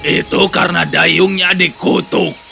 itu karena dayungnya dikutuk